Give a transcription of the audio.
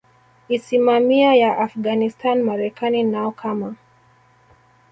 isimamia ya Afghanistan Marekani nao kama